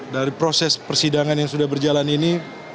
dari proses persidangan yang sudah berjalan ini